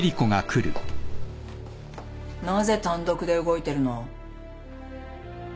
なぜ単独で動いてるの？